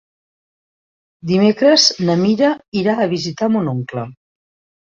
Dimecres na Mira irà a visitar mon oncle.